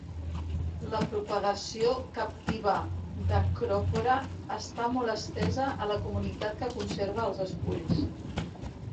La propagació captiva d'"Acropora" està molt estesa a la comunitat que conserva els esculls.